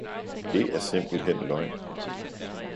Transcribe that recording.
Det er simpelthen løgn